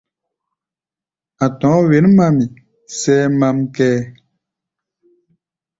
A̧ tɔ̧ɔ̧́ wěn-mami, sʼɛ́ɛ́ mám kʼɛ́ɛ́.